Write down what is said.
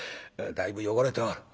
だいぶ汚れておる。